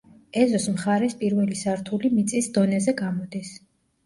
ეზოს მხარეს პირველი სართული მიწის დონეზე გამოდის.